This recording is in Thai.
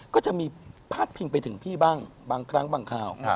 ก็จะมีพาดพิงไปถึงพี่บ้างบางครั้งบางข่าว